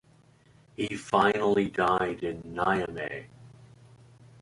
He finally died in Niamey.